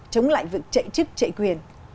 chống lại việc chạy chức chạy quyền